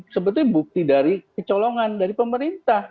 sebetulnya bukti dari kecolongan dari pemerintah